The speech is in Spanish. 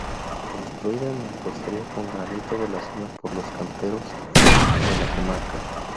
Construida en mampostería con granito de la zona por los canteros de la comarca.